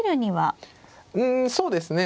うんそうですね。